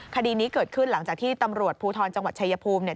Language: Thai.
คดีนี้เกิดขึ้นหลังจากที่ตำรวจภูทรจังหวัดชายภูมิเนี่ย